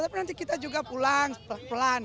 tapi nanti kita juga pulang pelan pelan